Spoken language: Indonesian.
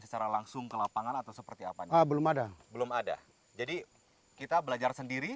secara langsung ke lapangan atau seperti apa belum ada belum ada jadi kita belajar sendiri